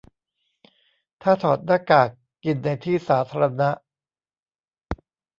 ถ้าถอดหน้ากากกินในที่สาธารณะ